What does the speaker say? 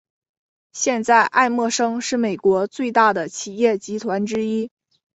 现在艾默生是美国最大的企业集团之一。